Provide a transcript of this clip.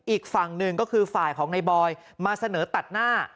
อีกฝั่งหนึ่งก็คือฝ่ายของในบอยมาเสนอตัดหน้า